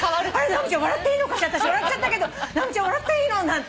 直美ちゃん笑っていいのかしら私笑っちゃったけど直美ちゃん笑っていいの？なんて言って。